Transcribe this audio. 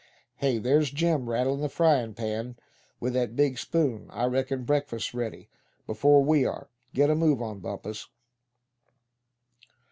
Hey! there's Jim rattling the frying pan with that big spoon. I reckon breakfast's ready, before we are. Get a move on, Bumpus!"